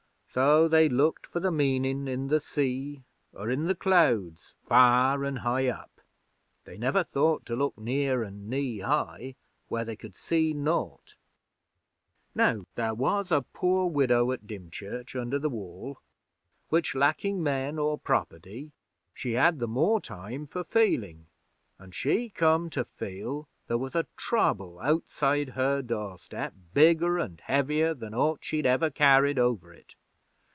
So they looked for the meanin' in the sea or in the clouds far an' high up. They never thought to look near an' knee high, where they could see naught. 'Now there was a poor widow at Dymchurch under the Wall, which, lacking man or property, she had the more time for feeling; and she come to feel there was a Trouble outside her doorstep bigger an' heavier than aught she'd ever carried over it.